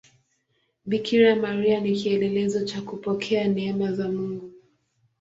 Bikira Maria ni kielelezo cha kupokea neema za Mungu.